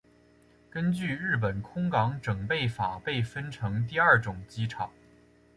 根据日本空港整备法被分成第二种机场。